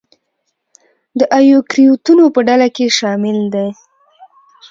د ایوکریوتونو په ډله کې شامل دي.